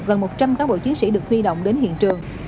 gần một trăm linh cán bộ chiến sĩ được huy động đến hiện trường